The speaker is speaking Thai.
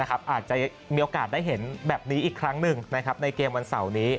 อาจจะมีโอกาสได้เห็นแบบนี้อีกครั้งหนึ่งในเกมวันเสาร์นี้